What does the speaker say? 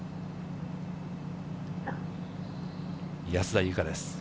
安田祐香です。